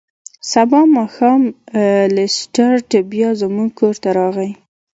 سبا ماښام لیسټرډ بیا زموږ کور ته راغی.